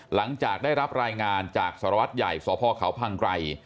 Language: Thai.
หลังจากได้รับรายงานจากสารวัตรใหญ่สพเขาพังไกร